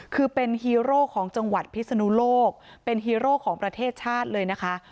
คือเป็นฮีโร่ของจังหวัดพิศนุโลกเป็นฮีโร่ของประเทศชาติเลยนะคะ